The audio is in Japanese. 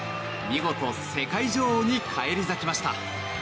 見事世界女王に返り咲きました。